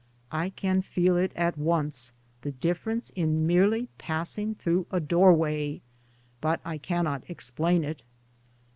I can feel it at once, the difference, in merely passing through a doorway — but I cannot explain it.